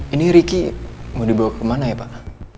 ini riki mau dibawa kemana ya pak